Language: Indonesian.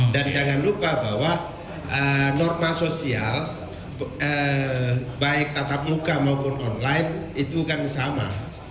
jangan lupa bahwa norma sosial baik tatap muka maupun online itu kan sama